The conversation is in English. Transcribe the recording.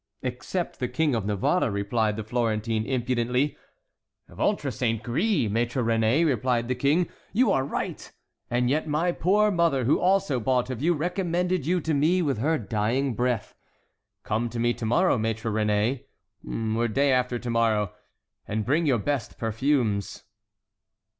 "Except the King of Navarre," replied the Florentine, impudently. "Ventre saint gris, Maître Réné," replied the king, "you are right; and yet my poor mother, who also bought of you, recommended you to me with her dying breath. Come to me to morrow, Maître Réné, or day after to morrow, and bring your best perfumes."